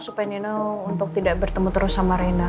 supaya nino untuk tidak bertemu terus sama reina